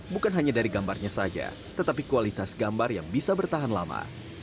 bukan hanya dari gambarnya saja tetapi kualitas gambar yang bisa bertahan lama